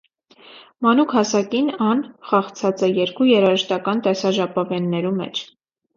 Մանուկ հասակին ան խաղցած է երկու երաժշտական տեսաժապաւեններու մէջ։